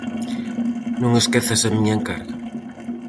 Non esquezas a miña encarga.